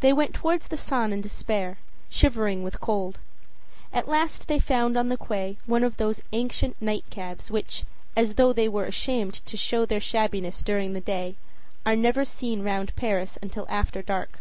They went toward the Seine in despair, shivering with cold. At last they found on the quay one of those ancient night cabs which, as though they were ashamed to show their shabbiness during the day, are never seen round Paris until after dark.